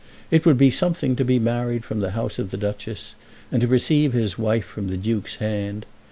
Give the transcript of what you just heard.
It would be something to be married from the house of the Duchess, and to receive his wife from the Duke's hand.